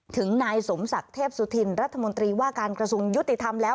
ถึงนายสมศักดิ์เทพสุธินรัฐมนตรีว่าการกระทรวงยุติธรรมแล้ว